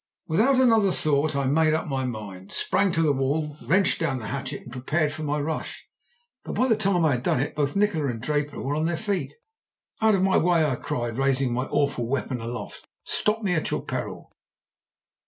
"Without another thought I made up my mind, sprang to the wall, wrenched down the hatchet, and prepared for my rush. But by the time I had done it both Nikola and Draper were on their feet. "'Out of my way!' I cried, raising my awful weapon aloft. 'Stop me at your peril!'